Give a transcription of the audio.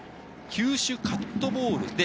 球種はカットボール。